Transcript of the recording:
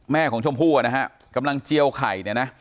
แม่ของชมพู่นะฮะกำลังเจียวไข่เนี่ยนะ